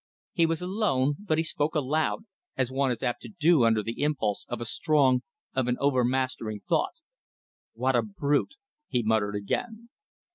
He was alone, but he spoke aloud, as one is apt to do under the impulse of a strong, of an overmastering thought. "What a brute!" he muttered again.